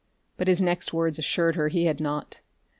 But his next words assured her he had not.